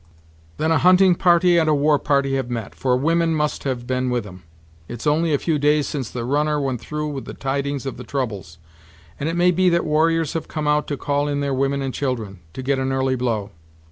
"Then a hunting party and a war party have met, for women must have been with 'em. It's only a few days since the runner went through with the tidings of the troubles; and it may be that warriors have come out to call in their women and children, to get an early blow."